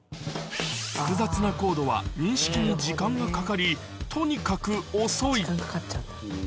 複雑なコードは認識に時間がかかり、とにかく遅い。